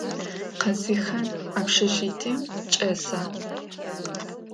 Къазихъан общежитием чӏэса?